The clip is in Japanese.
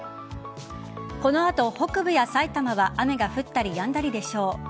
この後、北部や埼玉は雨が降ったりやんだりでしょう。